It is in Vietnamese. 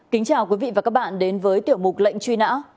kính chào quý vị và các bạn đến với tiểu mục lệnh truy nã